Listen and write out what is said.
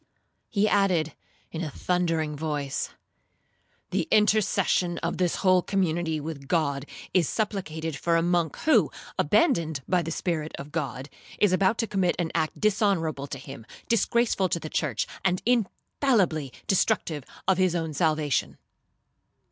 He added, in a thundering voice, 'The intercession of this whole community with God is supplicated for a monk who, abandoned by the Spirit of God, is about to commit an act dishonourable to Him, disgraceful to the church, and infallibly destructive of his own salvation.'